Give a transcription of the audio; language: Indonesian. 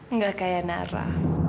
nggak kayak nara